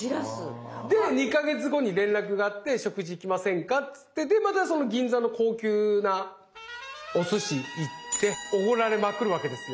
で２か月後に連絡があって「食事行きませんか」っつってでまたその銀座の高級なおすし行っておごられまくるわけですよ。